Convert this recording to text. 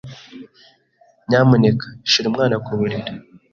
Nyamuneka shyira umwana ku buriri.